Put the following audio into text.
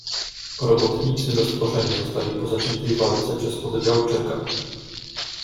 "Robotnicy rozproszeni zostali po zaciętej walce przez oddział Czeka."